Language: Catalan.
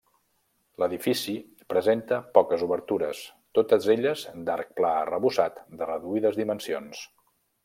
L'edifici presenta poques obertures, totes elles d'arc pla arrebossat de reduïdes dimensions.